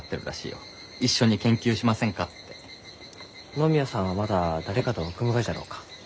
野宮さんはまた誰かと組むがじゃろうか？